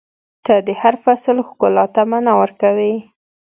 • ته د هر فصل ښکلا ته معنا ورکوې.